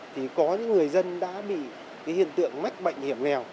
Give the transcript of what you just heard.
thì có những người dân đã bị cái hiện tượng mắc bệnh hiểm nghèo